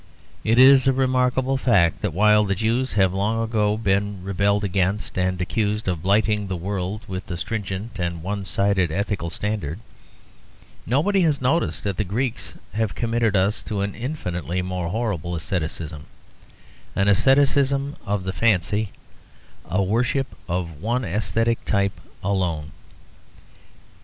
It is a remarkable fact that while the Jews have long ago been rebelled against and accused of blighting the world with a stringent and one sided ethical standard, nobody has noticed that the Greeks have committed us to an infinitely more horrible asceticism an asceticism of the fancy, a worship of one aesthetic type alone.